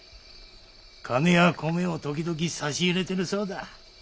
金や米を時々差し入れてるそうだ。